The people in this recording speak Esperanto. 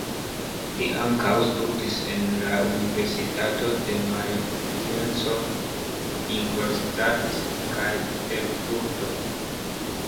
Li ankaŭ studis en la Universitatoj de Majenco, Ingolstadt kaj Erfurto.